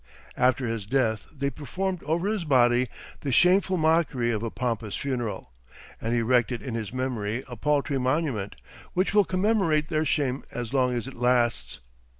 After his death they performed over his body the shameful mockery of a pompous funeral, and erected in his memory a paltry monument, which will commemorate their shame as long as it lasts.